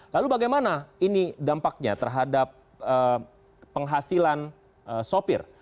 lalu bagaimana ini dampaknya terhadap penghasilan sopir